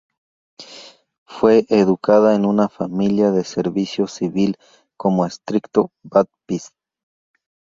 Fue educada en una familia de servicio civil como Estricto Baptist.